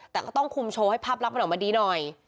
แต่ก็ต้องคุมโชว์ให้ภาพลักษณ์มันออกมาดีหน่อย